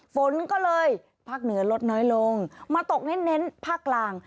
ฝนก็เลยภาคเหนือลดน้อยลงมาตกเน้นภาคกลาง